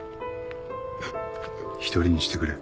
一人にしてくれ。